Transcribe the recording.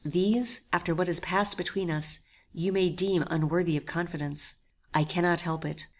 These, after what has passed between us, you may deem unworthy of confidence. I cannot help it.